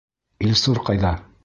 — Илсур ҡайҙа?